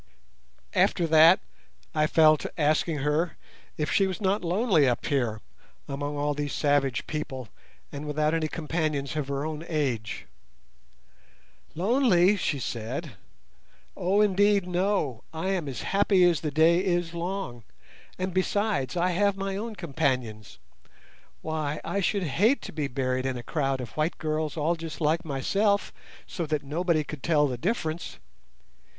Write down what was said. After that I fell to asking her if she was not lonely up here among all these savage people and without any companions of her own age. "Lonely?" she said. "Oh, indeed no! I am as happy as the day is long, and besides I have my own companions. Why, I should hate to be buried in a crowd of white girls all just like myself so that nobody could tell the difference!